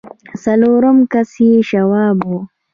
څلورم کس يې شواب و.